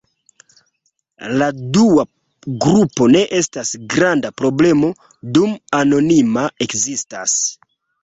La dua grupo ne estas granda problemo, dum anonima ekzistas.